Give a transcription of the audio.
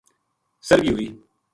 سرہگی ہوئی